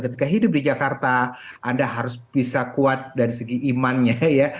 ketika hidup di jakarta anda harus bisa kuat dari segi imannya ya